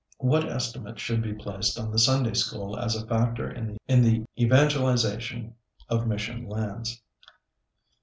What estimate should be placed on the Sunday School as a factor in the evangelization of mission lands?